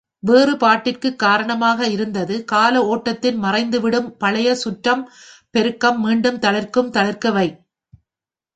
வேறுபாட்டுக்குக் காரணமாக இருந்தது கால ஓட்டத்தில் மறைந்துவிடும் பழைய சுற்றப் பெருக்கம் மீண்டும் தளிர்க்கும் தளிர்க்க வை.